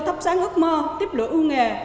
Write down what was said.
thắp sáng ước mơ tiếp lựa ưu nghề